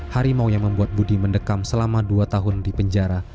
harimau yang membuat budi mendekam selama dua tahun di penjara